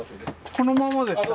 このままですか？